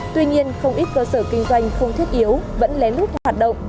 tuy nhiên không ít cơ sở kinh doanh không thiết yếu vẫn lén lút hoạt động